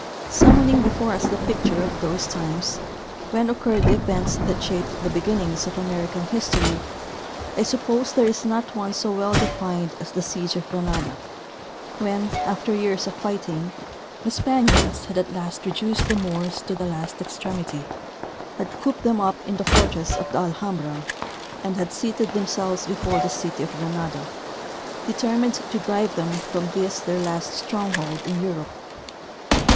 Summoning before us the picture of those times, when occurred the events that shaped the beginnings of American history, I suppose there is not one so well defined as the siege of Granada, when, after years of fighting, the Spaniards had at last reduced the Moors to the last extremity, had cooped them up in the fortress of the Alhambra, and had seated them selves before the city of Granada, determined to drive them from this their last stronghold in Europe.